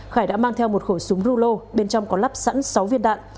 khải đã mang theo một khẩu súng rưu lô bên trong có lắp sẵn sáu viên đạn